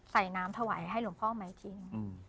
ใส่น้ำถวายให้หลวงพ่อไหมคิง